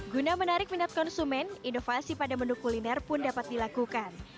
guna menarik minat konsumen inovasi pada menu kuliner pun dapat dilakukan